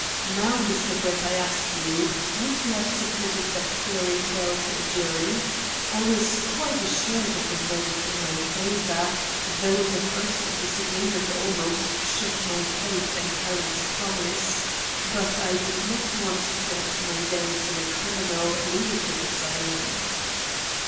Now, Mr. Brett, I ask you, would you have submitted that fairy tale to a jury? I was quite assured of a verdict in my favour, though the first disagreement almost shook my faith in Helen's promise, but I did not want to end my days in a criminal lunatic asylum."